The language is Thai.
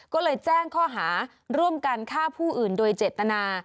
ก็เลยแจ้งข้อหาร่วมกันฆ่าผู้อื่นโดยเจตนา